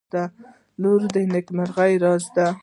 • لور د نیکمرغۍ راز دی.